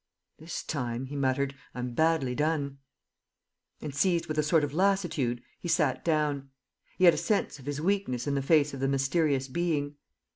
"This time," he muttered, "I'm badly done!" And, seized with a sort of lassitude, he sat down. He had a sense of his weakness in the face of the mysterious being.